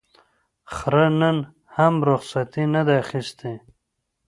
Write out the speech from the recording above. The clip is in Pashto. خره نن هم رخصتي نه ده اخیستې.